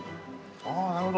◆ああ、なるほど。